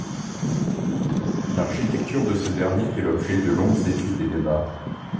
L'architecture de ce dernier fait l'objet de longues études et débats.